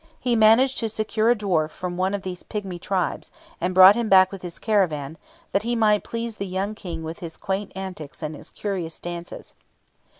He managed to secure a dwarf from one of these pigmy tribes, and brought him back with his caravan, that he might please the young King with his quaint antics and his curious dances.